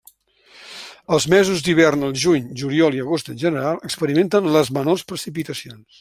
Els mesos d'hivern al juny, juliol i agost en general experimenten les menors precipitacions.